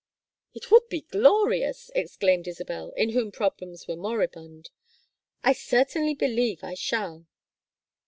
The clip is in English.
"It would be glorious!" exclaimed Isabel, in whom problems were moribund. "I certainly believe I shall."